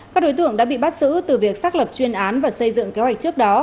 các đối tượng đã bị bắt giữ từ việc xác lập chuyên án và xây dựng kế hoạch trước đó